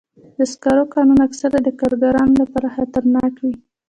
د سکرو کانونه اکثراً د کارګرانو لپاره خطرناک وي.